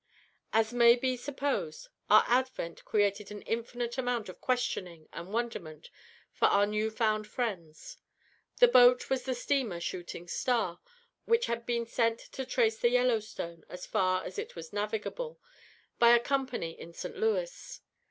As may be supposed, our advent created an infinite amount of questioning and wonderment for our new found friends. The boat was the steamer "Shooting Star," which had been sent to trace the Yellowstone, as far as it was navigable, by a company in St. Louis.